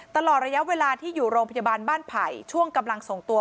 ตลอดระยะเวลาที่อยู่โรงพยาบาลบ้านไผ่ช่วงกำลังส่งตัว